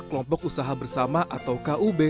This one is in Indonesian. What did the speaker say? kelompok usaha bersama atau kub